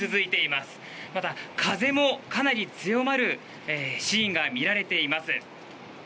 また、風もかなり強まるシーンが見られています。